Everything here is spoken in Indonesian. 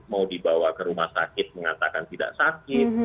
mau dibawa ke rumah sakit mengatakan tidak sakit